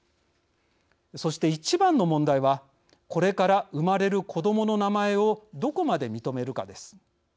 そして一番の問題はこれから生まれる子どもの名前をどこまで認めるかです。